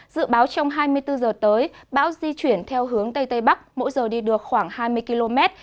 dự báo trong hai mươi bốn giờ tới bão di chuyển theo hướng tây tây bắc mỗi giờ đi được khoảng hai mươi km